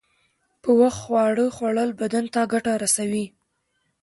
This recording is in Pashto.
په وخت خواړه خوړل بدن ته گټه رسوي.